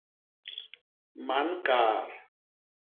Man kaat.